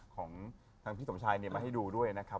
ของทางพี่สมชายมาให้ดูด้วยนะครับ